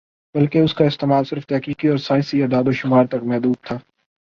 بلکہ اس کا استعمال صرف تحقیقی اور سائنسی اعداد و شمار تک محدود تھا